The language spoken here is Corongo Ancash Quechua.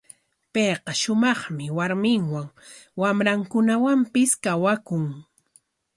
Payqa shumaqmi warminwan, wamrankunawanpis kawakun.